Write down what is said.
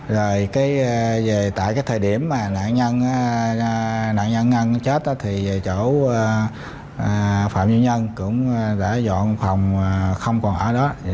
rồi tại cái thời điểm mà nạn nhân chết thì chỗ phạm duy nhân cũng đã dọn phòng không còn ở đó